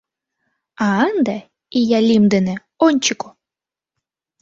— А ынде, ия лӱм дене, ончыко!